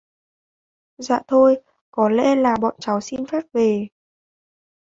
Dạ thôi Có lẽ là bọn cháu xin phép về